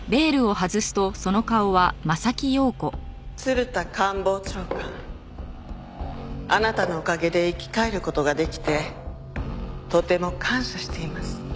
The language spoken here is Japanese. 鶴田官房長官あなたのおかげで生き返る事ができてとても感謝しています。